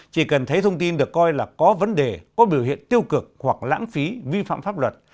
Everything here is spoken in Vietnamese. chỉ cần thấy thông tin được coi là có vấn đề có biểu hiện tiêu cực hoặc lãng phí vi phạm pháp luật